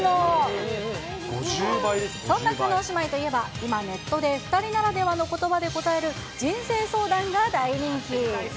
そんな叶姉妹といえば、今ネットで、２人ならではのことばで答える人生相談が大人気。